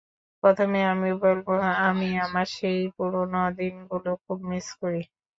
প্রথমে আমি বলব, আমি আমার সেই পুরোনো দিনগুলো খুব মিস করি।